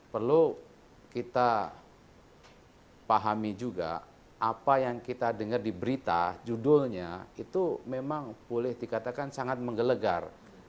perlu kita pahami juga apa yang kita dengar di berita judulnya itu memang boleh dikatakan sangat menggelegar